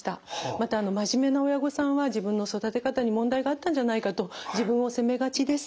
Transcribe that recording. また真面目な親御さんは自分の育て方に問題があったんじゃないかと自分を責めがちです。